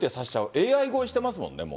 ＡＩ超えしてますもんね、もう。